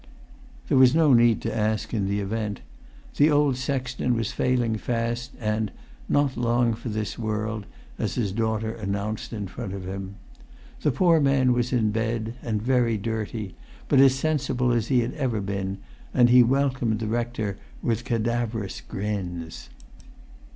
There was no need to ask, in the event. The old sexton was failing fast, and "not long for this world," as his daughter announced in front of him. The poor man was in bed, and very dirty, but as sensible as he ever had been; and he welcomed the rector with cadaverous grins.